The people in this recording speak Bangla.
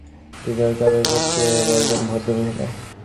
আমার ফোন নম্বর রেখে ঘণ্টা তিনেক অপেক্ষা করতে বললেন ভদ্র মহিলা।